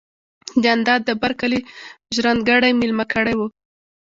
جانداد د بر کلي ژرندګړی ميلمه کړی و.